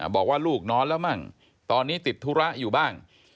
บอกว่าลูกนอนแล้วมั่งตอนนี้ติดธุระอยู่บ้าง